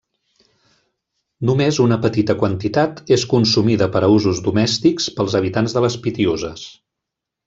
Només una petita quantitat és consumida per a usos domèstics pels habitants de les Pitiüses.